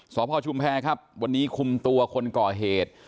สพชุมแพรครับวันนี้คุมตัวคนก่อเหตุ